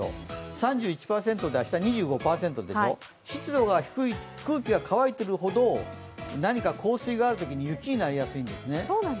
湿度が低い、空気が乾いているほど何か降水があるとき雪になりやすいんですね。